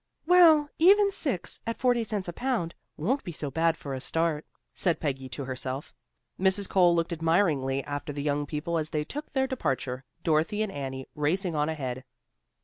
"Well, even six, at forty cents a pound, won't be so bad for a start," said Peggy to herself. Mrs. Cole looked admiringly after the young people as they took their departure, Dorothy and Annie racing on ahead.